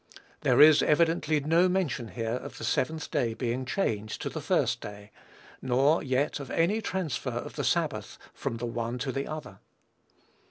There is, evidently, no mention here of the seventh day being changed to the first day; nor yet of any transfer of the Sabbath from the one to the other.